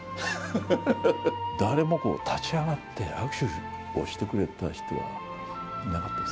誰もこう、立ち上がって握手をしてくれた人はいなかったです。